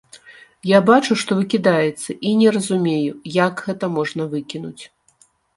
Я бачу, што выкідаецца, і не разумею, як гэта можна выкінуць.